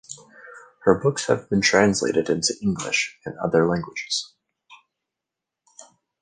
Her books have been translated into English and other languages.